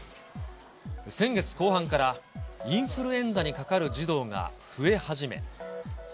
先月後半から、インフルエンザにかかる児童が増え始め。